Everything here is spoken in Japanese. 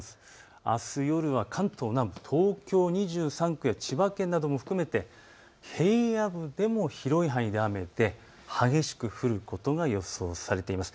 あす夜は関東南部、東京２３区や千葉県なども含めて平野部でも広い範囲で雨で激しく降ることが予想されています。